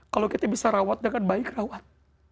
kalau kita bisa rawat dengan baik rawat